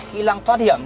kỹ năng tự vệ sau đây